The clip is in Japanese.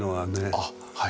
あっはい。